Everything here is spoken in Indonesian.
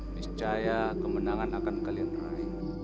miscaya kemenangan akan kalian teraih